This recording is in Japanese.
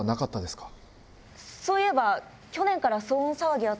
そういえば去年から。